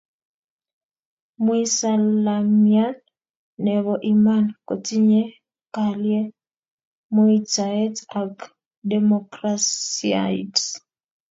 Mwisalamian ne bo iman kotinye kalyee, muitaet ak demokrasiait.